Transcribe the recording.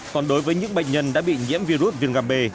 còn đối với những bệnh nhân đã bị nhiễm virus viêm ga b